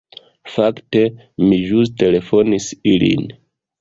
"Fakte, mi ĵus telefonis ilin."